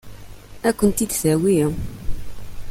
Ad kent-ten-id-tawi?